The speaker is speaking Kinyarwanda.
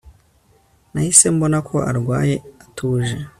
Nahise mbona ko arwaye atuje